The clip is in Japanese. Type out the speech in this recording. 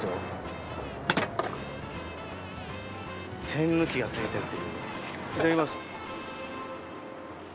栓抜きがついていると。